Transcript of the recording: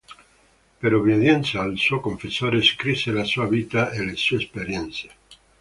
Per obbedienza al suo confessore, scrisse la sua vita e le sue esperienze.